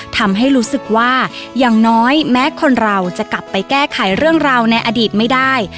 ทำให้รู้สึกว่าอย่างน้อยแม้คนเราจะกลับไปแก้ไขเรื่องราวในอดีตไม่ได้